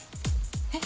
えっ。